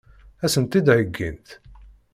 Ad sen-tt-id-heggint?